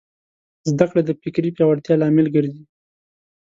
زدهکړه د فکري پیاوړتیا لامل ګرځي.